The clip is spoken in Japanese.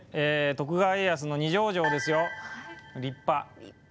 徳川家康の二条城ですよ、立派。